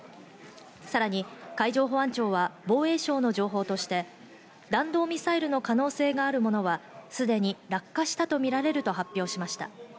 さらに海上保安庁は防衛省の情報として、弾道ミサイルの可能性があるものはすでに落下したとみられると発表しました。